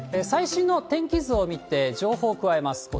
最新の天気図を見て、情報加えます。